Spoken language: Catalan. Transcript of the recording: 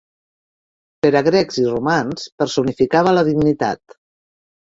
Per a grecs i romans personificava la dignitat.